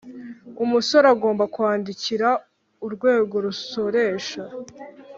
umusore agomba kwandikira urwego rusoresha